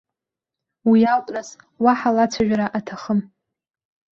Уи ауп нас, уаҳа лацәажәара аҭахым.